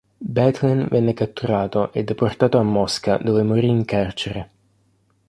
Bethlen venne catturato e deportato a Mosca dove morì in carcere.